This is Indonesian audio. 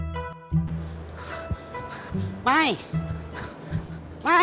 kamu liat ga